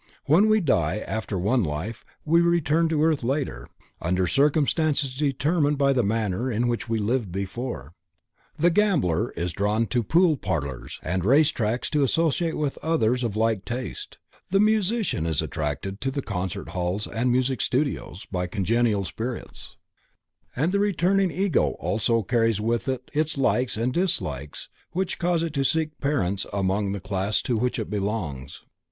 When we die after one life, we return to earth later, under circumstances determined by the manner in which we lived before. The gambler is drawn to pool parlors and race tracks to associate with others of like taste, the musician is attracted to the concert halls and music studios, by congenial spirits, and the returning Ego also carries with it its likes and dislikes which cause it to seek parents among the class to which it belongs.